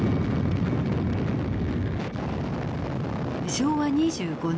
昭和２５年。